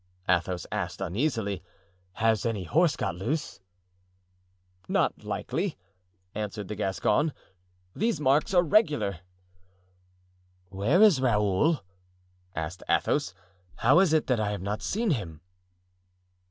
Athos asked, uneasily. "Has any horse got loose?" "Not likely," answered the Gascon; "these marks are regular." "Where is Raoul?" asked Athos; "how is it that I have not seen him?"